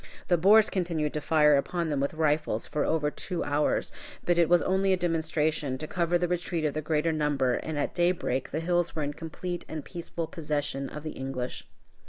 The Boers continued to fire upon them with rifles for over two hours. But it was only a demonstration to cover the retreat of the greater number, and at daybreak the hills were in complete and peaceful possession of the English.